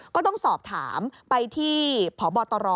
ก็ต้องสอบถามไปที่พบตร